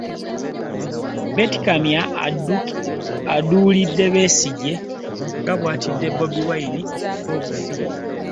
Betty Kamya aduulidde Besigye nga bw'atidde Bobi Wine okufa obufi.